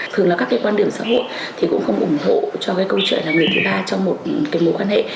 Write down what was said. thường là các cái quan điểm xã hội thì cũng không ủng hộ cho cái câu chuyện là người thứ ba trong một cái mối quan hệ